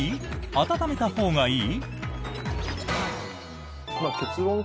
温めたほうがいい？